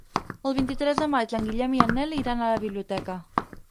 El vint-i-tres de maig en Guillem i en Nel iran a la biblioteca.